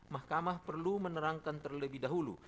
mahkamah perlu menerangkan terlebih dahulu